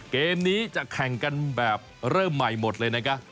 เกมนี้จะแข่งกันแบบเริ่มใหม่หมดเลยนะคะ